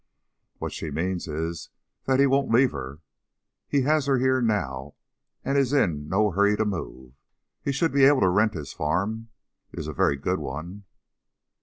"What she means is that he won't leave her. He has her here now and is in no hurry to move. He should be able to rent his farm. It is a very good one."